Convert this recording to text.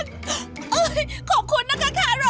เอ้ยขอบคุณนะคะแคโร